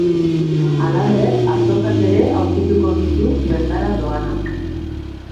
Halaber, azokak ere aurkituko ditu bertara doanak.